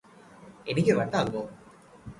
എനിക്ക് വട്ടാകുമോ